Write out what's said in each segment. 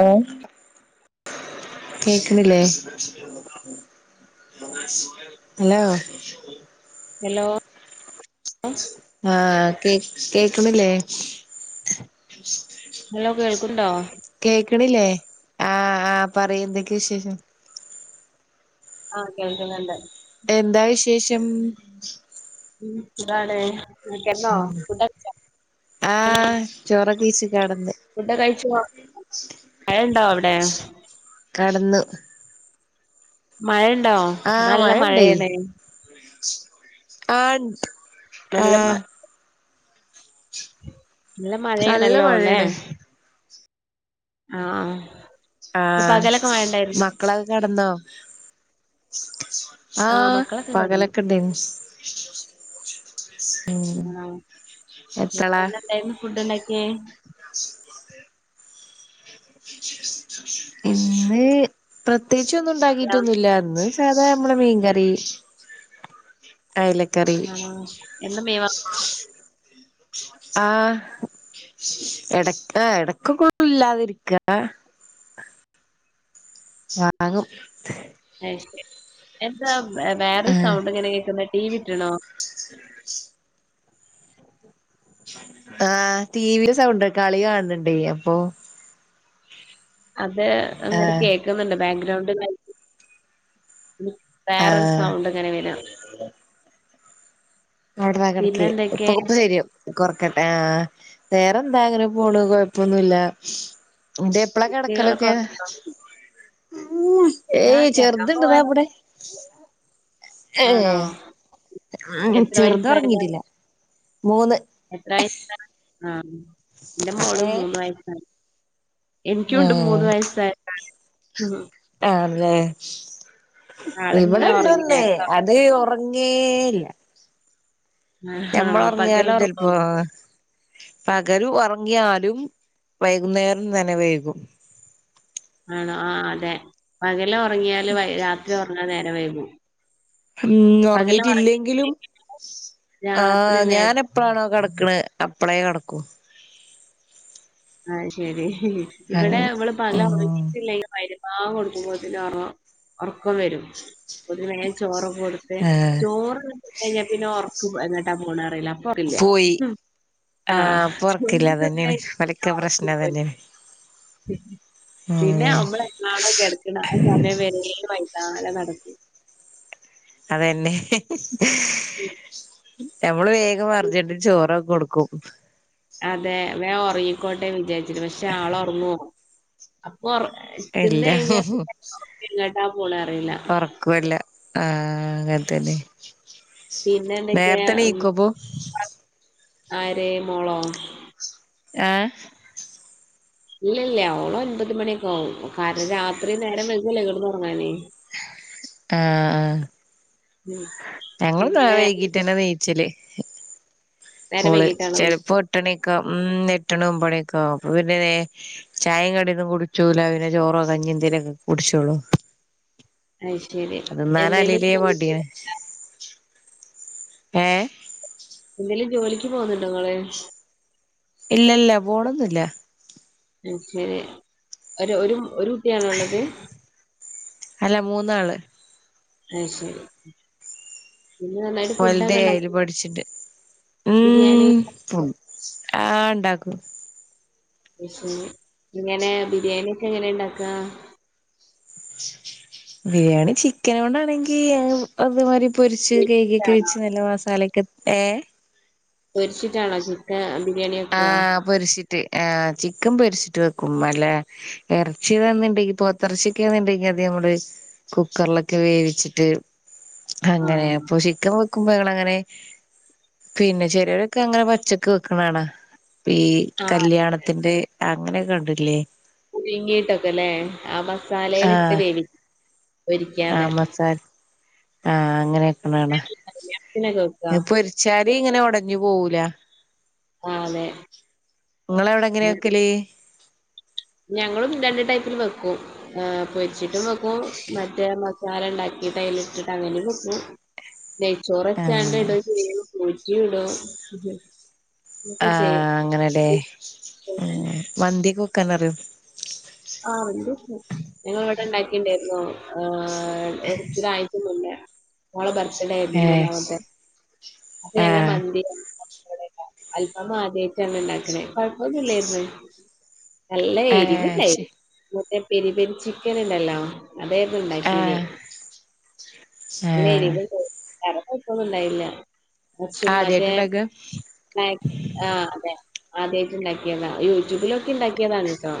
Hello കേക്ക്ണില്ലേ? Hello hello കേക്ണ്ല്ലേ? Hello കേൾക്കുന്നുണ്ടോ കേക്ണില്ലേ ആ ആഹ പറയ് എന്തൊക്കെ വിശേഷം ആ കേൾക്ക്ന്ന്ണ്ട് എന്താ വിശേഷം ഉം ന്താണ് [unintelligible] ഫുഡയ്ച്ചോ ആഹ് ചോറൊക്കെ കഴിച്ച് കെടന്ന് ഫുഡോക്കെ കഴിച്ചു ഒർ മഴണ്ടോ അവിടെ കട്ന്നു മഴണ്ടോ. ഇ പടെ നല്ല മഴയേണ് ആൻട് നല്ല മ നല്ല നല്ല മഴേണല്ലോ ല്ലെ മഴയാണ് ആ.. അ ആ മക്കളൊക്കെ കെടന്നോ ആ ആഹ് മക്കളൊക്കെ കിടന്നു പകലൊക്കെണ്ടെനി ആ എപ്പളാ പിന്നെന്തേന്നു ഫുഡ്ണ്ടാക്യേ ഇന്ന്.. പ്രത്യേകിച്ച് ഒന്നും ണ്ടാക്കീട്ടൊന്നുല്ല ന്ന് സാതാ മ്മളെ മീൻകറി അയ്ലക്കറി ആണോ എന്നും മീൻ വാങ്ങി? ആ എടക്ക്‌ എടക്കോക്കെ ഇല്ലാതിരിക്ക ചാകും [unintelligible] എന്താ വേറെ ആഹ് സൗണ്ട് ങ്ങനെ കേക്കുന്ന ടി വി ഇട്ട്ണോ ആ ടിവിടെ സൗണ്ട് കളി കാണ് ണ്ടെ അപ്പൊ അത് അങ്ങനെ ആഹ് കേക്ന്ന്ണ്ട് ബേൻഗ്രൗണ്ടായി വേറൊരു ആഹ് സൗണ്ട് ങ്ങനെ വരാ [unintelligible] പിന്നെ കട്ക്കെ ഇപ്പൊ എന്തൊക്കെ ഇപ്പ ശരിയാവും കൊറക്കട് ആ വേറെ ന്താ അങ്ങനെ പോണ് കൊഴപ്പൊന്നുല്ല ജ്ജ് എപ്പളാ കുട്ടികളൊക്കെ കട്ക്കലൊക്കെ ഉറങ്ങിയോ? ഉ ഞാൻ ഏയ് കിടക്കാൻ ചെറ്ത്ണ്ട് താ പോവാനാ വ്ടെ ഏ ആണോ ആ എത്ര ചെറ്ത് വയസ്സായതാ ഒറ്ങ്ങിട്ടില്ല എത്ര വയസാ ആ ന്റെ മോളും ഏഹ് മൂന്ന് വയസ്സാണ് എനിക്കുണ്ട് മൂന്ന് ഉം വയസ്സായ ഉ ആണ് ല്ലേ ആളിന്ന് ഉറങ്ങി ഇവ്ടെണ്ടോന്ന് നേരത്തെ അത് ഒറ ങ്ങേല്ല ഉറങ്ങി ആണോ ഞമ്മള് പകല് ഒറ്ങ്ങിയാലും ഉറങ്ങോ ചെലപോ പകലു ഒറ്ങ്ങിയാലും വൈകുന്നേരം തന്നെ വൈകും ആണോ ആ അതെ പകല് ഒറ്ങ്ങിയാല് രാത്രി ഒർങ്ങാൻ നേരം വൈകും ഉം പകല് ഒറ്ങ്ങീട്ടില്ലെങ്കിലും ഉറങ്ങിയിട്ടില്ലെങ്കിൽ ആ രാത്രി നേരത്തെ ഞാനപ്പഴാണോ കട ക്കണ് അപ്പളെ കടക്കൂ അ ഹ് ശരി ഉ അങ് ഇവിടെ ഇവള് പകല്‌ ഉം ഉറങ്ങിയിട്ടില്ലെങ്കിൽ മഅ്രിബാങ്കൊടുക്കുമ്പോത്തിന് ഒറ്ങ്ങും ഒറർക്കം വരും ഒല് വേ ചോറും കൊട്ത്ത് ആഹ് ചോറ് കഴിഞ്ഞാ പിന്നെ ഒറ്ക്കും എങേട്ടാ പോണ റിയില്ല അപ്പ അറീലാ പോയി ഉ ആ [unintelligible] ക്കെ പ്രശ്നവല്ലേ. പിന്നെ നമ്മള് എന്നാണോ കെട്ക്ണ ആ സമയം വര നാളെ നടക്കും അതെന്നെ നമ്മള് വേഗം അർജന്റ് ചോറൊക്കെ കൊടു ക്കും അതെ വേ ഒറ്ങ്ങിക്കോട്ടെ വിചാരിച്ക്ക്‌ണ് പക്ഷെ ആള് ഒർങ്ങോ ഇല്ല ഉറക്കം എങ്ങട്ടാ പോണെ അറിയില്ല ഒറ്ക്കുല്ല ആ അങ്ങൻത്തന്നെ പിന്നെ എന്തൊക്കെയാ നേർത്ത ഉം, നീക്കുപ്പൊ ആര് മോളോ ആ ഇല്ല ഇല്ല ഓള് ഒൻപത് മണിയൊക്കെ ആവും കാരണം രാത്രി നേരം വൈ [unintelligible] സുഗല്ലേ കടപ ആ ഉം ഞങ്ങള് പിന്നെ വൈകിട്ടന്നെ നീച്ചല് നേരം ഓള് വൈകീട്ടാണോ നീ ചെലപ്പോ എട്ടണി ക്ക ഉം എട്ട് ണി ഒമ്പത് മണി ക്കെ ആകും അപ്പം പിന്നെ ചായെം കടി ഒന്നും കുടിച്ചൂല പിന്നെ ചോറോ കഞ്ഞി ഇ എന്തേനൊക്കെ കുടിച്ചോളൂ അത് ശരി. എന്തേലും ജോലിക്ക് [unintelligible] ഏ എന്തേലും ജോലിക്ക് പോവുന്നുണ്ടോ ഇങ്ങള് ഇല്ല ല്ല പോണൊന്നൂല ശരി ഒരു ഒരു ഒരു കുട്ടിയാണോ ഉള്ളത്? അല്ല മൂന്നാള്. അയ് ശരി പിന്നെ നന്നായിട്ട് ഫുഡൊക്കെ വൽതേഴില് ഉണ്ടാക്കോ? പഠിച്ചിട്ട് ബിരിയാണി ം ആ ണ്ടാക്കും പക്ഷെ ങ്ങനെ ബിരിയാണി ഒക്കെ എങ്ങനെ ഇണ്ടാക്കാ? ബിരിയാണി ചിക്കനോണ്ടാണെങ്കീ അതുമാരി പൊരിച്ചും കെയിക്യോക്കെ പൊരിച്ചിട്ടാണോ? വെച്ച് നല്ല മസാലെക്കെട്ട് പൊരിച്ചിട്ടാണോ ചിക്കൻ ആ പൊരിച്ചിട്ട് ആ ചിക്കൻ പൊരിച്ചിട്ട് വെക്കും. അല്ലെ ഇറച്ചിയാന്ന്ണ്ടെങ്കിൽ പോത്തിറച്ചിക്കെന്ന്ണ്ടെങ്കി അധികം കുക്കറിലക്കെ വേവിച്ചിട്ട് അങ്ങനെ ആഹ്. അപ്പോ ചിക്കൻ വേക്ണങ്ങനെ പിന്നെ ചെലരൊക്കെ അങ്ങനെ പച്ചക്ക് വെക്ക്ണ്കാണാ ഈ ആഹ് കല്യാണത്തിന്റെ അങ്ങനെയൊക്കണ്ടില്ലേ? പുയ്ങ്ങീട്ടൊക്കല്ലേ ആ മസാലയിലിട്ട് വേവി ആ പൊരിക്കാതെ. മസാജ് ആ അങ്ങനെവെക്ക്ണ കാണാ കല്യാണത്തിനൊക്കെ വെക്കാ? പൊരിച്ചാ ഇതിങ്ങനെ ഒടഞ്ഞ് പോവൂല ആ ലെ ഇങ്ങളെവടെ എങ്ങനെ വെക്കല്? ഞങ്ങളും രണ്ട് ടൈപ്പില് അ് വെക്കും പൊരിച്ചിട്ടും വെക്കും മറ്റേ മസാലണ്ടാക്കിട്ട് അയിലിട്ടിട്ട് അങ്ങനീം വെക്കും. ആഹ് നെയ്ച്ചോറച്ചാണ്ട്ടൂം ചിയ്യും ഞ്ചീ ടും ആ അങ്ങനെലെ മന്ത്യോനക്കെ വെക്കാനറിയോ? ആ മന്തി വെക്കും. ഞങ്ങളവടെ ണ്ടാക്കീണ്ടായിരുന്നു. ആ ആ ഒരാഴ്ച്ച മുന്നേ മോളെ ബർത് ടെര്ന്നു ഏഹ് മൂന്നാമത്തെ അപ്പൊ ഞങ്ങള് ആഹ് മന്തി അൽഫാമ് ആദ്യായിണ്റ്റാണ് ണ്ടാക്കണേ കൊഴപ്പൊന്നൂല്ലായിരിന്ന്. നല്ല ഏഹ് എരിവ്ണ്ടായി. ശെ മറ്റേ പെരി പെരി ചിക്കന് ണ്ടല്ലോ. അതെര്ന്ന്ണ്ടാക്കീന് ആഹ് നല്ല ആഹ് എരിവ്ണ്ട് എനക്കൂംപ്പൊന്നുംണ്ടായില്ല. കുറച്ചും മറ്റേ ആദ്യായിട്ട്ണ്ടാക്കാ ആ അതെ [unintelligible] ആദ്യായിട്ട് ണ്ടാക്യതാ യൂട്യൂബില് നോക്കണ്ടാക്യതാണ് ട്ടോ.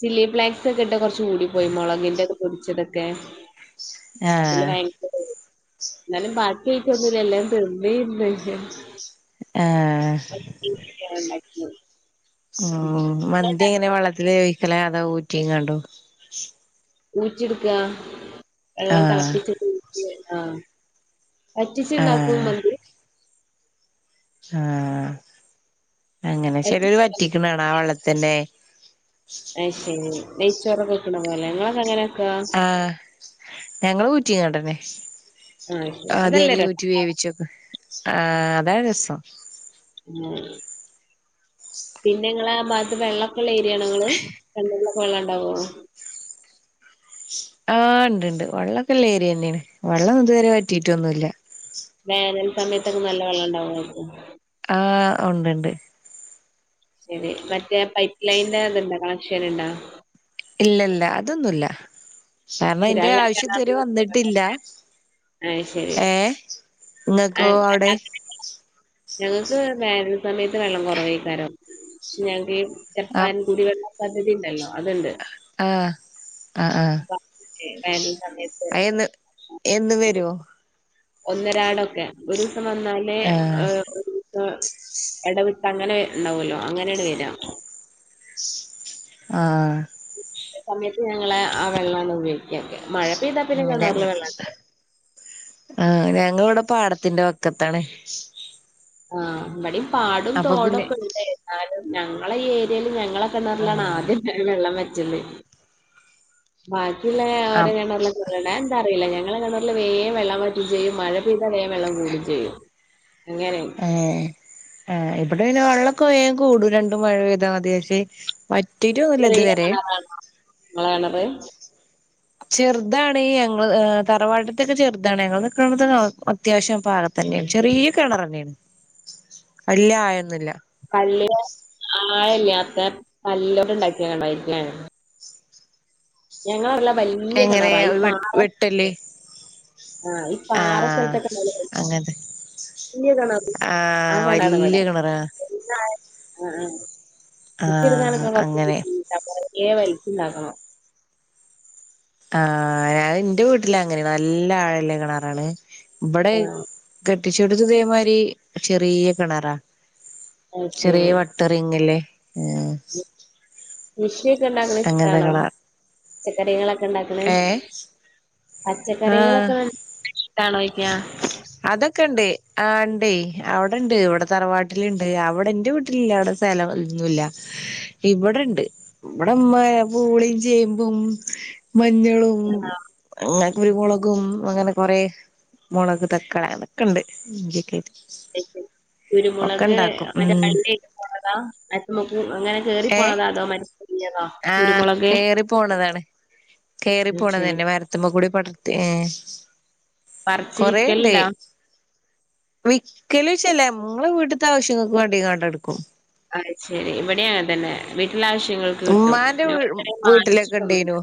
ചില്ലി ഫ്ലേക്സൊക്കെ ഇട്ട കൊറച്ചൂടി പോയി മുളകിന്റെ പൊടിച്ചതൊക്കെ. അതില് ആഹ് വയങ്കര ന്നാലും ബാക്യായിറ്റോന്നൂല്ലലോ എല്ലാരും തന്നീണ്ട്. ആ ം മന്തി എങ്ങനെ വെള്ളത്തില് വേവിക്കലാ അതോ ഊറ്റിങ്ങാണ്ടോ? ഊറ്റിട്ക്കാ വെള്ളം ആഹ് തിളപ്പിച്ചിട്ട് ഊറ്റി ആഹ് ആഹ് വറ്റിച്ച്ണ്ടാക്കുമ്മന്തി ആഹ് അങ്ങനെ വറ്റി ചെലോല് വറ്റിക്ക്ണ് കാണാ ആ വെള്ളത്തന്നെ. അയ്ശരി നെയ്ച്ചോറൊക്കെ വെക്കണപോലെ ങ്ങ്ളൊക്കങ്ങനെ ആഹ് ഞങ്ങള് ഊറ്റിങ്ങാണ്ടന്നെ ആഹ് ശരി അതല്ലേ ആദ്യരി ഊറ്റി രസം വേവിച്ച് വെക്ക ആ അതാ രസം. [unintelligible] [unintelligible] പിന്നെങ്ങളാ ഭാഗത്ത് വെന്നള്ളൊക്കള്ള ഏരിയാണോ ങ്ങള് കെണർലൊക്ക വെള്ള ണ്ടാവോ? [unintelligible] ആ ണ്ട് ണ്ട് വള്ളൊക്കെള്ള ഏര്യന്നെണ് വെള്ളൊന്നും ഇതുവരെ വറ്റീറ്റൊന്നുല്ല. വേനൽ സമയത്തൊക്കെ നല്ല വെള്ളയുണ്ടാവുമായിരിക്കും. ആഹ് ഉണ്ട്ണ്ട്. ശരി മറ്റേ പൈപ്പ് ലൈന്റെ ഇതുണ്ടോ കണക്ഷൻ ഇണ്ടാ. ഇല്ല ഇല്ല അതൊന്നുല്ല, കാരണം ശരി ഇതിന്റെ അല്ല ആവശ്യം ഇതുവരെ കിണറില് വന്നിട്ടില്ല. ആഹ് ശരി ഏഹ് ആ, നിങ്ങക്കേ അവിടെ. അല്ല, അങ്ങനെ ഞങ്ങൾക്ക് വേനൽ സമയത്ത് വെള്ളം കുറവേക്കാരം പക്ഷെ ഞങ്ങക്ക്. ചെപ്പാൻ ആഹ് കുടിവെള്ള പദ്ധതി ഉണ്ടല്ലോ അതുണ്ട്. ആഹ് ആഹ് ആഹ് അപ്പൊ അതില് വേനൽ സമയത്ത് അയിന് എന്ന് വരും. ഒന്നരാടം ഒക്കെ ഒരു ദിവസം വന്നാല് ആഹ് ഏഹ് ഒരുദിവസം. ഇടവിട്ട് അങ്ങനെ ഉണ്ടാവല്ലോ അങ്ങനെയാണ് വരാ. ആഹ് സമയത്ത് ഞങ്ങള് ആ വെള്ളമാണ് ഉപയോഗിക്കുക. അങ്ങനെ ഞങ്ങള് ആഹ് അതെ. അങ്ങ് ഇവിടെ പാടത്തിന്റെ വക്കത്താണ്. ആഹ് ഇവിടെയും പാടും അപ്പൊ പിന്നെ തോടൊക്കെ ഉണ്ട്, എന്നാലും ഞങ്ങള ഈ ഏരിയേല് ഞങ്ങള്. കിണറിലാണ് ആഹ് ആദ്യം വെള്ളം വച്ചത്. ബാക്കിയുള്ള ഓരോ ആഹ് കിണറിലൊക്കെ. [unintelligible] അറിയില്ല ഞങ്ങള് കിണറില് വേഗം വെള്ളം വറ്റിവും ചെയ്യും മഴ പെയ്താലേ വെള്ളം കൂടും ചെയ്യും. അങ്ങനെ ഏഹ് ആഹ് ഇവിടെ പിന്നെ വെള്ളൊക്കെ വേഗം. കൂടും രണ്ടും മഴ പെയ്താൽ മതി, പക്ഷെ വറ്റിയിട്ട് ഒന്നുല്ല ഇതുവരെ. നിങ്ങള് കിണറ്. ചെറുതാണ് ഞങ്ങൾ തറവാട്ടത്തൊക്കെ ചെറുതാണ്, ഞങ്ങൾ നിക്കണോയെടുത്ത് അ അത്യാവശ്യം പാടത്തെ. പിന്നെയും ചെറിയ കിണർ തന്നെയാണ്, വലിയ ആഴം ഒന്നുമില്ല. പള്ളിയിലെ ആയില്ലാതെ കല്ലുകൊണ്ട് ഉണ്ടാക്കിയ നല്ലയായിരിക്കുല്ലേ. ഞങ്ങള് എല്ലാ വല്യ എങ്ങനെ കിണറായ് ഈ വെ പാറ വെട്ടല് ആഹ് ഈ ആഹ് പാറസ്ഥലത്തൊക്കെ നല്ലതായി. അങ്ങനത്തെ കുഞ്ഞ് കിണറ് ആ ആഹ് കിണറ് വല്യ ഇവിടെ കിണറാ ആഹ് ആഹ്. മുക്കി ആഹ് എടുക്കാനൊക്കെ കൊറച്ച് അങ്ങനെ ബുദ്ധിമുട്ടാ പതുക്കെ വലിച്ചിൽ. [unintelligible] ആഹ് ഞാന് എന്റെ വീട്ടില് അങ്ങനെയാണ് നല്ല ആഴുള്ള കിണാറാണ്. ഇവിടെ ആ കെട്ടിച്ചോടുത്തതേമാരി ചെറിയ കിണറാ. അത് ചെറിയ ശരി വട്ട റിംഗ് ഇല്ലേ ഏഹ്. കൃഷിയൊക്കെ ഉണ്ടാക്കണേ ഇഷ്ടാണോ പച്ചക്കറികള്. ഏഹ് ആഹ് പച്ചക്കറികളൊക്കെ. ഇഷ്ടാണോ ചോയിക്കാ അതൊക്കെ ഉണ്ട്. ആഹ് ഉണ്ടേ അവിടെയുണ്ട് ഇവിടെ തറവാട്ടിലുണ്ട്, അവിടെ എന്റെ വീട്ടിലില്ല അവിടെ സ്ഥലം ഒന്നുല്ല. ഇവിടെയുണ്ട് ഇവിടെ ഉമ്മ പൂളീം ചേമ്പും മഞ്ഞളും. ഞങ്ങൾക്ക് കുരുമുളകും അങ്ങനെ കൊറെ. മുളക് തക്കാളി അതൊക്കെയുണ്ട് ഇക്കാ. [unintelligible] കുരുമുളക് മറ്റേ ഉം വള്ളിയായിട്ട് പോണതാ [unintelligible] അങ്ങനെ കേറി പോണതാ ആണോ മരത്തിലേക്ക്. ആഹ് കേറി പോണതാണ്. കയറി അത് പോണത് ശരി തന്നെ മരത്തിമേ കൂടെ പടർത്തി ഏഹ്. പറിച്ച് കൊറെ ഉണ്ട് വിക്കലുണ്ടോ വിക്കല് ചെലെ ഞങ്ങളെ വീട്ടത്തെ ആവശ്യങ്ങൾക്ക് വേണ്ടിക്കേണ്ട് എടുക്കും. ആഹ് ശരി ഇവിടെയാ അങ്ങനെ തന്നെ വീട്ടി ക്ക് എല്ലാ ആവശ്യങ്ങൾക്ക് കിട്ടും ഉമ്മാന്റെ വീ ഞങ്ങൾ ഇതുവരെ വീട്ടിലൊക്കെ വാങ്ങിച്ചിട്ട് ഒന്നുമില്ല. ഇണ്ടേനു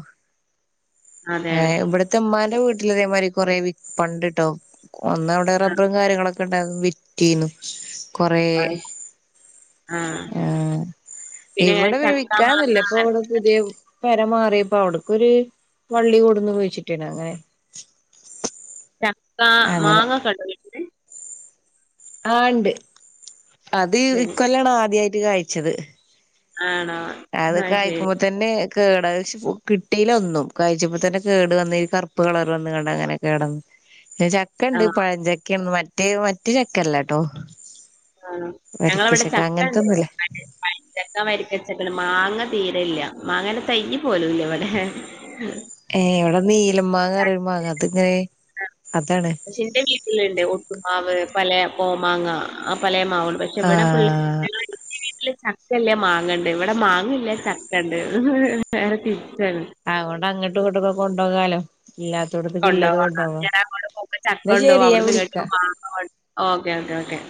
ഏഹ് ഇവിടത്തെ ഉമ്മാന്റെ വീട്ടിലതേമാരി കൊറെ വിത്ത് ഉണ്ടക്കട്ടോ. ഒന്ന് അവിടെ ആ റബ്ബറും കാര്യങ്ങളൊക്കെ ഉണ്ടായിരുന്നു വിറ്റിനു കൊറെ. അത് ശ ആ പിന്നെ ഇങ്ങനെ ഇവിടെ വി ചക്ക മാങ്ങ വിക്കാനോന്നില്ല ഇപ്പ അങ്ങനെ ഇവിടെ പുതിയ പരമാ പ്പ അവിടക്കൊരു വള്ളി കൊടുന്നു കുഴിച്ചിട്ടീനു അങ്ങനെ ചക്ക അങ്ങനെ മാങ്ങ ക്കെ ഇണ്ടോ വീട്ടിൽ ആണ്ട് അത് ഇ ശരി കൊല്ലാണ് ആദ്യായിട്ട് കാഴിച്ചത് ആണോ അത് കയിക്കുമ്പോ തന്നെ കേട കിട്ടീല ഒന്നും കാഴിച്ചപ്പോ തന്നെ കേട് വന്ന കറുപ്പ് കളർ വന്ന്കാണ്ട് അങ്ങനെ കേടന്ന് ചക്ക ഉണ്ട് ആഹ് പഴഞ്ചക്കണ്ട് മറ്റേ മറ്റ ചക്കല്ല ട്ടോ ആ ഞങ്ങളവിടെ ചക്കണ്ട് പഴചക്ക വരിക്കച്ചക്ക മാങ്ങ തീരല്ല മാങ്ങനെ തയ്യ് പോലൂല്ല ഇവിടെ ഹേ ഏ എവിടെ നീലമാങ്ങ പറയണേ മാങ്ങ അത്ങ്ങനെ പഷെ ന്റെ വീട്ടിലുണ്ട് ഒട്ടുമാവ് പല കോമാങ്ങ ആ പല പക്ഷെ ആ ഇവിടെ ഫുള് ഇല്ല ചക്കല്ല മാങ്ങണ്ട് ഇവിടെ മാങ്ങ ഇല്ല ചക്ക ഉണ്ട് ഹ് നേരെ തിരിച്ച് അതുകൊണ്ട് അങ്ങോട്ട് ഇങ്ങോട്ടും ക്കൊക്കെ കൊണ്ടോകാലോ കൊണ്ടോവാ ഞാൻ അങ്ങോട്ട് പോകുമ്പോ ചക്ക എന്നാ കൊണ്ടോവും ശരി ഞാൻ അവിടന്ന് ഇങ്ങട്ട് വിളിക്കാം മാങ്ങ കോ ഓകെ ഓകെ ഓക്കേ